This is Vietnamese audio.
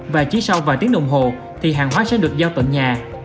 và chỉ sau vài tiếng đồng hồ thì hàng hóa sẽ được giao tận nhà